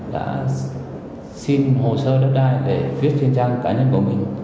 đã xin hồ sơ đất đai để viết trên trang cá nhân của mình